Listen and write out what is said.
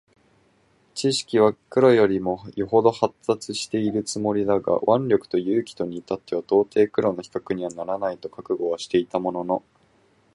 智識は黒よりも余程発達しているつもりだが腕力と勇気とに至っては到底黒の比較にはならないと覚悟はしていたものの、